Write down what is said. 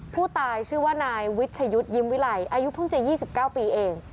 ผู้ตายชื่อว่านายวิชยุทธ์ยิ้มวิลัยอายุเพิ่งจะ๒๙ปีเอง